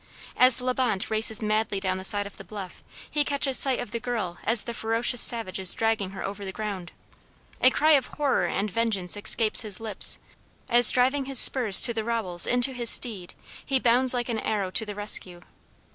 As La Bonte races madly down the side of the bluff, he catches sight of the girl as the ferocious savage is dragging her over the ground. A cry of horror and vengeance escapes his lips, as driving his spurs to the rowels into his steed he bounds like an arrow to the rescue.